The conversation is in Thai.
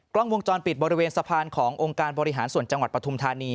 กล้องวงจรปิดบริเวณสะพานขององค์การบริหารส่วนจังหวัดปฐุมธานี